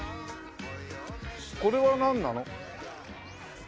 これはなんなの？